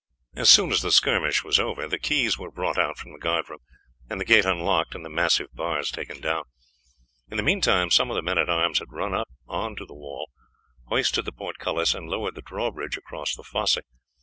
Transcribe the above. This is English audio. As soon as the skirmish was over the keys were brought out from the guard room, and the gate unlocked and the massive bars taken down. In the meantime some of the men at arms had run up on to the wall, hoisted the portcullis, and lowered the drawbridge across the fosse.